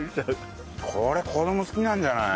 これ子供好きなんじゃない？